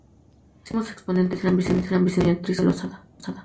Sus máximos exponentes eran Vicente Risco y Antonio Losada.